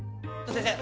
先生！